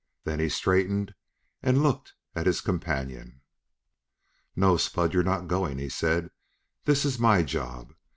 Then he straightened and looked at his companion. "No, Spud, you're not going," he said. "This is my job.